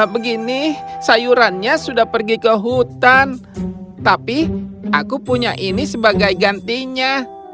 begini sayurannya sudah pergi ke hutan tapi aku punya ini sebagai gantinya